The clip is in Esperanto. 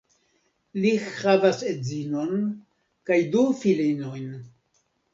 Li havas edzinon kaj du filinojn.